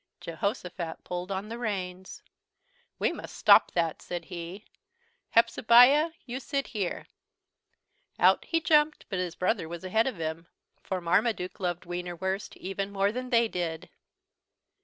Jehosophat pulled on the reins. "We must stop that," said he. "Hepzebiah you sit here." Out he jumped, but his brother was ahead of him, for Marmaduke loved Wienerwurst even more than they did.